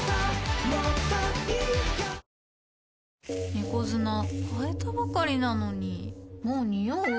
猫砂替えたばかりなのにもうニオう？